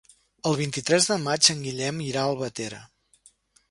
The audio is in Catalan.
El vint-i-tres de maig en Guillem irà a Albatera.